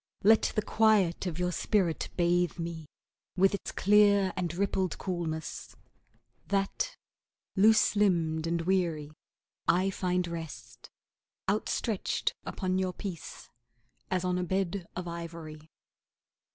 Let the quiet of your spirit bathe me With its clear and rippled coolness, That, loose limbed and weary, I find rest, Outstretched upon your peace, as on a bed of ivory.